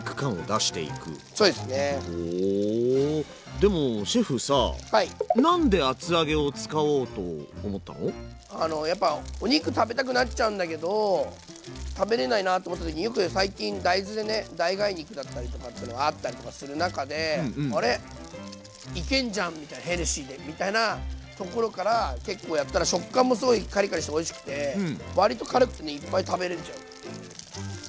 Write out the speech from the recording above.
でもシェフさお肉食べたくなっちゃうんだけど食べれないなと思った時によく最近大豆でね代替肉だったりとかってのがあったりとかする中であれいけんじゃんヘルシーでみたいなところから結構やったら食感もすごいカリカリしておいしくて割と軽くねいっぱい食べれちゃうっていう。